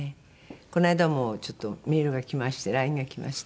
この間もちょっとメールがきましてＬＩＮＥがきまして。